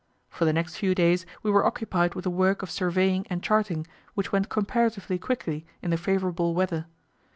For the next few days we were occupied with the work of surveying and charting, which went comparatively quickly in the favourable weather.